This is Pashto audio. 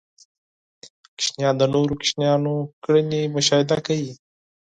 ماشومان د نورو ماشومانو کړنې مشاهده کوي.